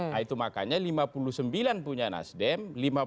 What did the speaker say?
nah itu makanya lima puluh sembilan punya nasdem